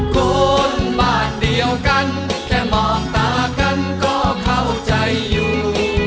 คนบ้านเดียวกันแค่มองตากันก็เข้าใจอยู่